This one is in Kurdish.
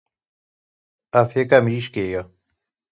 Ev hêka mirîşkê ye.